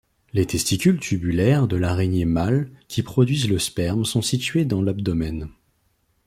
Les testicules tubulaires de l'araignée mâle qui produisent le sperme sont situés dans l'abdomen.